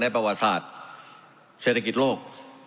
ประวัติศาสตร์เศรษฐกิจโลก